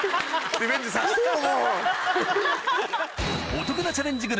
リベンジさせてよ